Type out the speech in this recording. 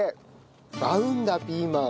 合うんだピーマン。